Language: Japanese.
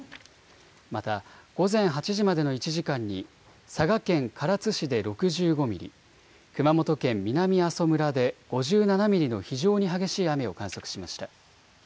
また午前８時までの１時間に佐賀県唐津市で６５ミリ、熊本県南阿蘇村で５７ミリの非常に激しい雨を観測しました。